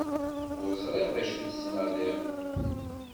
Ur ẓriɣ d acu tettnadiḍ.